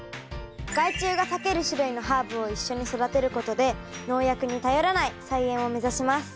害虫が避ける種類のハーブを一緒に育てることで農薬に頼らない菜園を目指します。